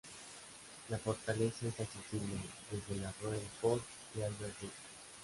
La fortaleza es accesible desde la rue du Fort y Albert Rich.